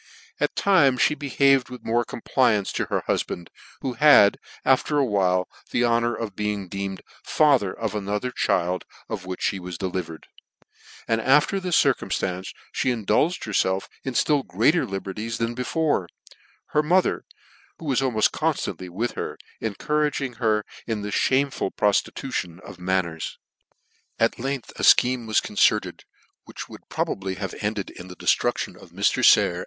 At times (he behave^ with more c.'mplaifance tg hcr hufband, who had, after a while, the honour of being deemed father of another child of which fhe was delivered , and after this circumllancefhe in dulged herfelf in ftill greater liberties than before ; her mother, who was almoft conftantly with her, encouraging her in this fhameful proftitution of Banners. At Icfioth a fcheme was concerted; which would probably have ended in the deflruction of Mr. RICHARD NOBLE. .for Murder.